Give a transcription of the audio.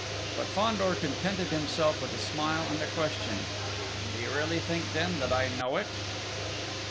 But Fandor contented himself with a smile and a question. "Do you really think, then, that I know it?..."